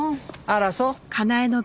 あらそう。